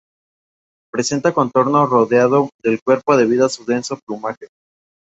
Presenta contorno redondeado del cuerpo debido a su denso plumaje.